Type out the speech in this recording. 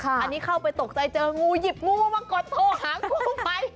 อันนี้เข้าไปตกใจเจองูหยิบงูมากดโทรหากู้ภัย